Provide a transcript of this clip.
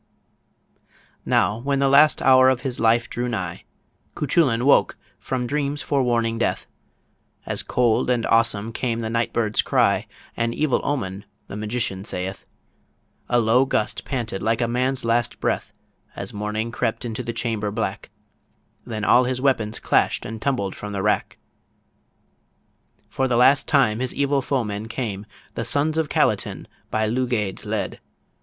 Now when the last hour of his life drew nigh, Cuchullin woke from dreams forewarning death; And cold and awesome came the night bird's cry An evil omen the magician saith A low gust panted like a man's last breath, As morning crept into the chamber black; Then all his weapons clashed and tumbled from the rack. For the last time his evil foemen came; The sons of Calatin by Lugaid led.